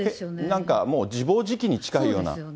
なんかもう自暴自棄に近いような。